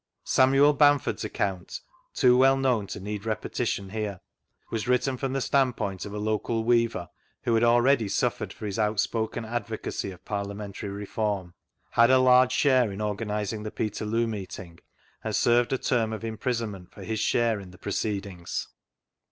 vGoogIc 6 BISHOP STANLEY Samuel Batnford's account — too well known to need repetition here — was written from the stand point of a local weaver, who bad already suffered for his outspoken advocacy of Parliamentary Reform, had a large share in organising the Peterloo meet ing, and served a term of imprisonment for his share in thp proceedings.